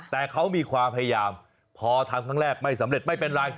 แต่เขามีความพยายามพอทำครั้งแรกไม่สำเร็จไม่เป็นไร